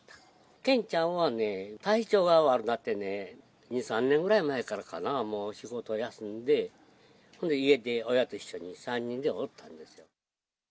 健ちゃんはね、体調が悪くなってね、２、３年ぐらい前からかな、もう仕事休んで、それで家で親と一緒に３人でおったんですよ。